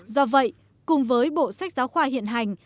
do vậy cùng với bộ sách giáo khoa hiện hành